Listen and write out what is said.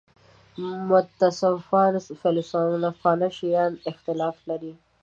متصوفان فیلسوفان شیعه اختلاف لري.